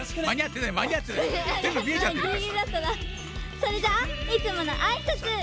それじゃあいつものあいさつ！